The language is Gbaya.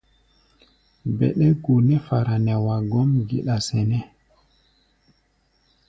Bɛɗɛ́-go nɛ́ fara nɛ wa gɔ́m geɗa sɛnɛ́.